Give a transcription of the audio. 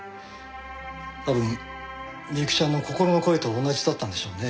多分美雪ちゃんの心の声と同じだったんでしょうね。